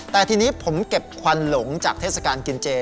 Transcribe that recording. แต่ทีนี้ผมเก็บควันหลงจากเทศกาลกินเจ